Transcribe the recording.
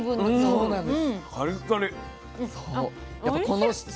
そうなんです。